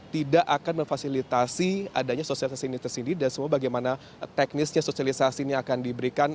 tidak akan memfasilitasi adanya sosialisasi ini tersendiri dan semua bagaimana teknisnya sosialisasi ini akan diberikan